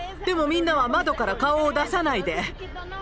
でもみんなは窓から顔を出さないで。